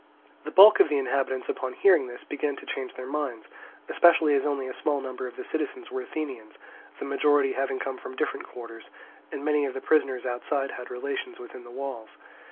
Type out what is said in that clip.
The bulk of the inhabitants, upon hearing this, began to change their minds, especially as only a small number of the citizens were Athenians, the majority having come from different quarters, and many of the prisoners outside had relations within the walls.